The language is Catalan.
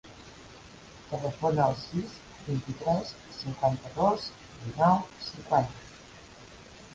Telefona al sis, vint-i-tres, cinquanta-dos, dinou, cinquanta.